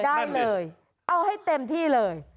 ได้เลยเอาให้เต็มที่เลย